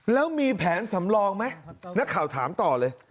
แล้วมีแผนสำรองไหมนักข่าวถามต่อเลย